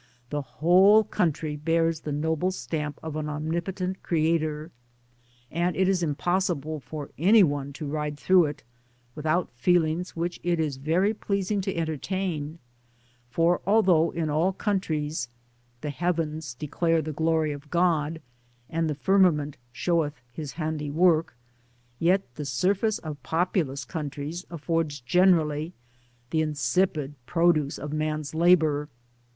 The whole country bears the noble stamp of an Omnipotent Creator, and it is impossible for any one to ride through it, without feelings which it is very pleasing to entertain ; for although in all countries " the heavens declare the ^lory of God, and the firma* ment showeth his handy work," yet the surface of populous countries affords generally the insipid produce of man's labour.